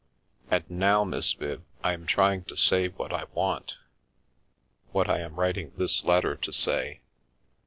And now, Miss Viv, I am trying to say what I want, what I am writing this letter to say.